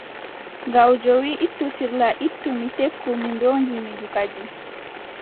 Gawjo wii, ittu sirla ittu mi, tekku mi ndoodi mi ndu kadi.